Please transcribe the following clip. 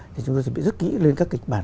thì chúng tôi chuẩn bị rất kỹ lên các kịch bản